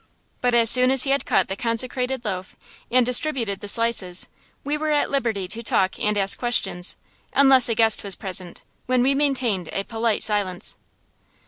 But as soon as he had cut the consecrated loaf, and distributed the slices, we were at liberty to talk and ask questions, unless a guest was present, when we maintained a polite silence.